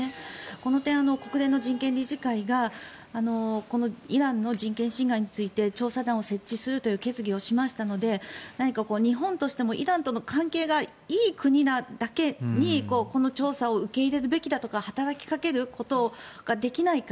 この点、国連の人権理事会がイランの人権侵害について調査団を設置するという決議をしましたので何か日本としてもイランとの関係がいい国なだけにこの調査を受け入れるべきだとか働きかけることができないか。